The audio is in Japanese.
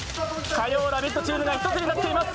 火曜「ラヴィット！」チームが１つになっています。